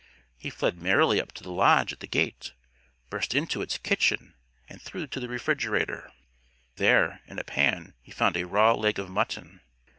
He fled merrily up to the Lodge at the gate, burst into its kitchen and through to the refrigerator. There, in a pan, he found a raw leg of mutton.